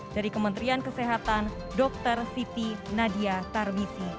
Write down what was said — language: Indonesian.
dari kementerian kesehatan dr siti nadia tarbisi